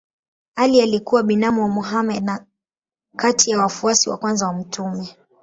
Ali alikuwa binamu wa Mohammed na kati ya wafuasi wa kwanza wa mtume.